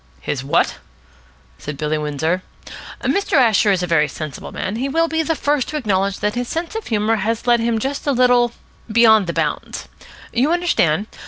"His what?" said Billy Windsor. "Mr. Asher is a very sensible man, and he will be the first to acknowledge that his sense of humour has led him just a little beyond the bounds. You understand?